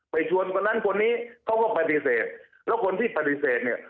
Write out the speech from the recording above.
ไปชวนคนนั้นคนนี้เขาก็ปฏิเสธแล้วคนที่ปฏิเสธเนี่ย